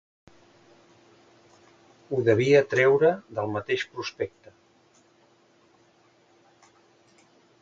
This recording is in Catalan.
Ho devia treure del mateix prospecte.